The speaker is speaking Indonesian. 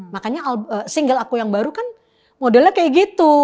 makanya single aku yang baru kan modelnya kayak gitu